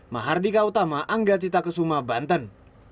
mahardika utama angga cita kesuma banten